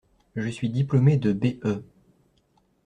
Je suis diplômé de B.E.